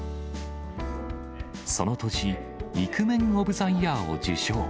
その年、イクメンオブザイヤーを受賞。